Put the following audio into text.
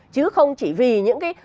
chứ không chỉ vì những cái